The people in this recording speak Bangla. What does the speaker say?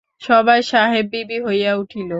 সবাই সাহেব-বিবি হইয়া উঠিল।